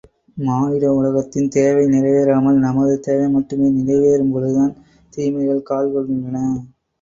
மானிட உலகத்தின் தேவைகள் நிறைவேறாமல் நமது தேவை மட்டுமே நிறைவேறும்பொழுதுதான் தீமைகள் கால் கொள்கின்றன.